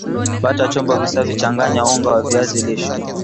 Pata chombo kisafi changanya unga wa viazi lishe